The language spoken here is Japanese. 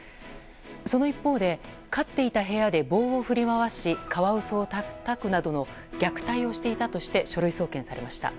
その一方で飼っていた部屋で棒を振り回しカワウソをたたくなどの虐待をしていたとして書類送検されました。